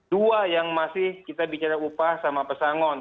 dua yang masih kita bicara upah sama pesangon